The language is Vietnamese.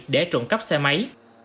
để trộn cắp xe máy